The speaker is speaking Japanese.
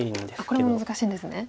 これも難しいんですね。